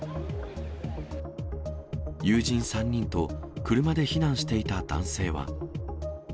友人３人と車で避難していた男性は。